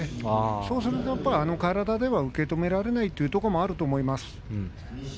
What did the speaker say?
そうするとあの体では受け止められないというところもあると思います。